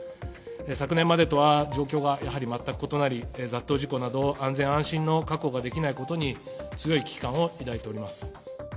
昨年までとは状況がやはり全く異なり、雑踏事故など、安全安心の確保ができないことに強い危機感を抱いております。